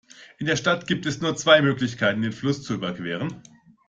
In der Stadt gibt es nur zwei Möglichkeiten, den Fluss zu überqueren.